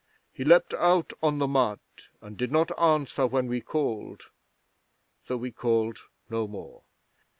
He leaped out on the mud, and did not answer when we called; so we called no more.